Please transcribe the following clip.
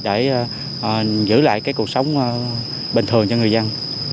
để giữ lại cái cuộc sống bình thường cho người dân